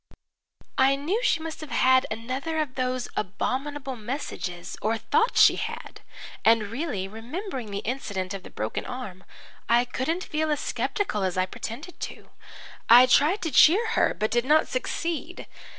"I knew she must have had another of those abominable messages or thought she had and really, remembering the incident of the broken arm, I couldn't feel as sceptical as I pretended to. I tried to cheer her, but did not succeed.